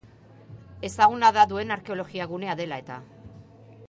Ezaguna da duen arkeologia gunea dela-eta.